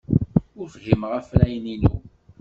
Ur fhimeɣ afrayen-inu.